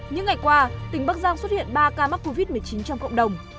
những ngày qua tỉnh bắc giang xuất hiện ba ca mắc covid một mươi chín trong cộng đồng